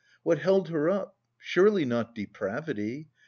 What held her up surely not depravity?